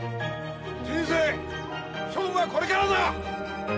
「人生勝負はこれからだ！